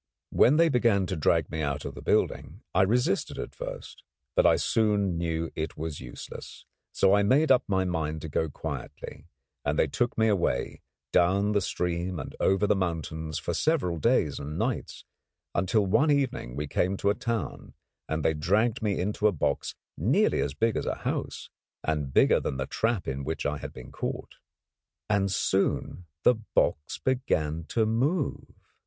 When they began to drag me out of the building, I resisted at first; but I soon knew it was useless, so I made up my mind to go quietly, and they took me away, down the stream and over mountains for several days and nights, until one evening we came to a town and they dragged me into a box nearly as big as a house, and bigger than the trap in which I had been caught. And soon the box began to move.